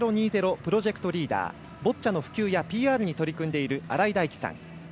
プロジェクトリーダーボッチャの普及やＰＲに取り組んでいる新井大基さん。